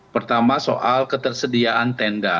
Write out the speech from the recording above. pertama soal ketersediaan tenda